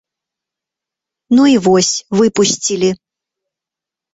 Ну і вось, выпусцілі.